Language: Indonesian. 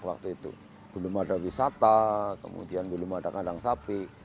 waktu itu belum ada wisata kemudian belum ada kandang sapi